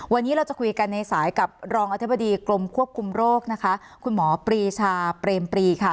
วันนี้เราจะคุยกันในสายกับรองอธิบดีกรมควบคุมโรคนะคะคุณหมอปรีชาเปรมปรีค่ะ